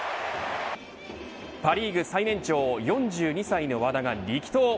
パ・リーグ最年長４２歳の和田が力投。